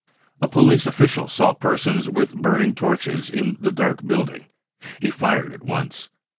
A police official saw persons with burning torches in the dark building. Fie fired at once.